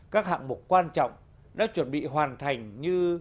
các hạng mục quan trọng đã chuẩn bị hoàn thành như